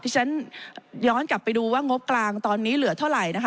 ที่ฉันย้อนกลับไปดูว่างบกลางตอนนี้เหลือเท่าไหร่นะคะ